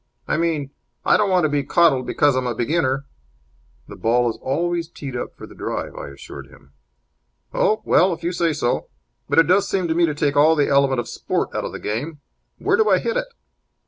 "I mean, I don't want to be coddled because I'm a beginner." "The ball is always teed up for the drive," I assured him. "Oh, well, if you say so. But it seems to me to take all the element of sport out of the game. Where do I hit it?"